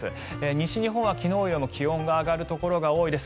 西日本は昨日よりも気温が上がるところが多いです。